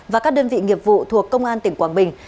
và các đơn vị nghiệp vụ thuộc công an tỉnh quảng bình